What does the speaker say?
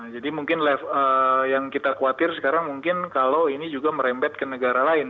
jadi mungkin yang kita khawatir sekarang mungkin kalau ini juga merembet ke negara lain